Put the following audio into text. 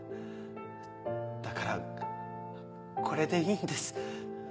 だからこれでいいんです。